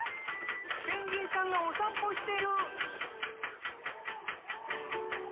ペンギンさんがお散歩してる！